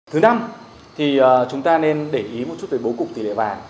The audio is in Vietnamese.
thứ năm thì chúng ta nên để ý một chút về bố cục tỷ lệ vàng